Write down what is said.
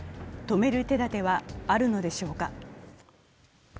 止める手だてはあるのでしょうか。